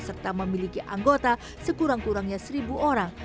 serta memiliki anggota sekurang kurangnya seribu orang